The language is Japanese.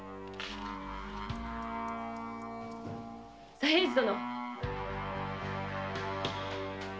左平次殿。